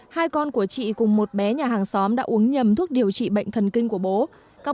hai con của chị cùng một bé nhà hàng xóm đã uống nhầm thuốc điều trị bệnh thần kinh của bố